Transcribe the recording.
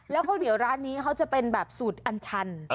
แล้วข้าวเหนียวร้านนี้เขาจะเป็นแบบสูตรอัญชัน